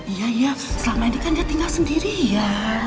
iya ya selama ini kan dia tinggal sendiri ya